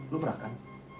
lu merah kan